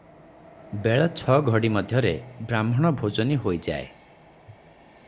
ବେଳ ଛଅଘଡ଼ି ମଧ୍ୟରେ ବାହ୍ମଣ ଭୋଜନି ହୋଇଯାଏ ।